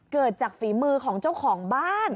เกิดจากฝีมือของเจ้าของบ้าน